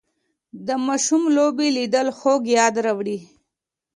د ماشوم لوبې لیدل خوږ یاد راوړي